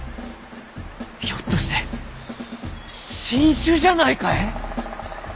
ひょっとして新種じゃないかえ？